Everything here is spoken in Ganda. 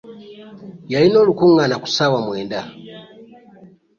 Yalina olukuŋŋaana ku ssaawa mwenda.